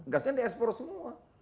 gasnya di ekspor semua